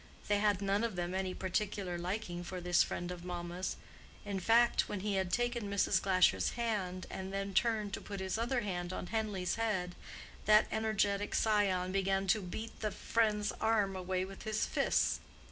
They had none of them any particular liking for this friend of mamma's—in fact, when he had taken Mrs. Glasher's hand and then turned to put his other hand on Henleigh's head, that energetic scion began to beat the friend's arm away with his fists.